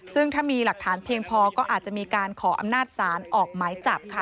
ซึ่งถ้ามีหลักฐานเพียงพอก็อาจจะมีการขออำนาจศาลออกหมายจับค่ะ